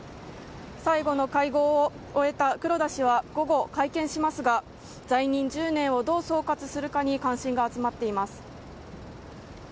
最後の会合を終えた黒田氏は午後、会見しますが在任１０年をどう総括するかに関心が集まっています。